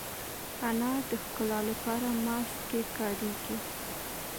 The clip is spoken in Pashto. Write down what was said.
انار د ښکلا لپاره ماسک کې کارېږي.